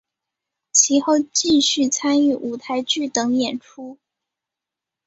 其后继续参与舞台剧等演出。